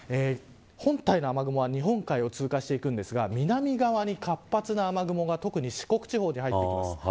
本体の雨雲は日本海を通過していくんですが南側に活発な雨雲が特に四国地方に入ってきます。